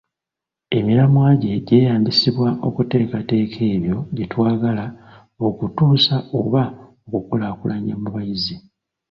Emiramwa gye gyeyambisibwa okutegeka ebyo bye twagala okutuusa oba okukulaakulanya mu bayizi.